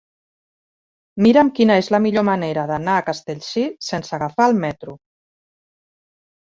Mira'm quina és la millor manera d'anar a Castellcir sense agafar el metro.